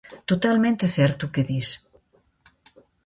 Totalmente certo o que dis.